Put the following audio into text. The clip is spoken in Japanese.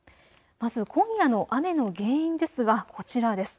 まず、今夜の雨の原因ですがこちらです。